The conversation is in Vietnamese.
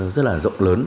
rất là rộng lớn